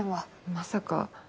まさか。